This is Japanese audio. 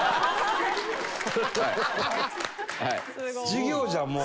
授業じゃんもう。